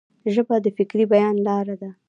ژبه د فکري بیان لار ده.